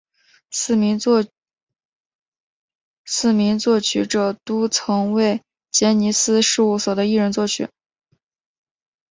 四名作曲者都曾为杰尼斯事务所的艺人作曲。